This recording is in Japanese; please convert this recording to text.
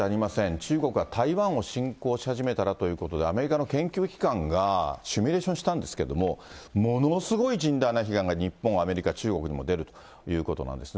中国が台湾を侵攻し始めたらということで、アメリカの研究機関が、シミュレーションしたんですけど、ものすごい甚大な被害が、日本、アメリカ、中国にも出るということなんですね。